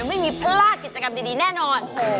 ไม่มีพลาดกิจกรรมดีแน่นอน